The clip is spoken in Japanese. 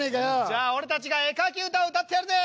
じゃあ俺たちが絵描き歌を歌ってやるぜ。